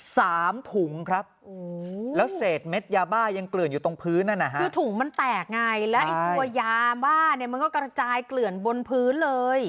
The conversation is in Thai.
สามถุงครับโอ้โหแล้วเศษเม็ดยาบ้ายังเกลื่อนอยู่ตรงพื้นนั่นนะฮะคือถุงมันแตกไงแล้วไอ้ตัวยาบ้าเนี่ยมันก็กระจายเกลื่อนบนพื้นเลย